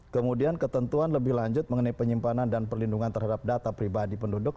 kemudian ketentuan lebih lanjut mengenai penyimpanan dan perlindungan terhadap data pribadi penduduk